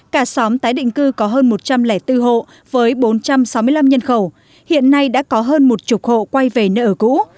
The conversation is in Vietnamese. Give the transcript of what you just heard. cả xóm tái định cư có hơn một trăm linh bốn hộ với bốn trăm sáu mươi năm nhân khẩu hiện nay đã có hơn một chục hộ quay về nơi ở cũ